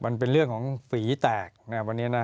มันเป็นเรื่องของฝีแตกวันนี้นะ